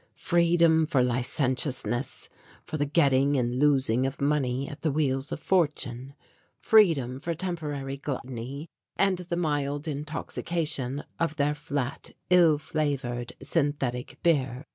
Freedom for licentiousness, for the getting and losing of money at the wheels of fortune, freedom for temporary gluttony and the mild intoxication of their flat, ill flavoured synthetic beer.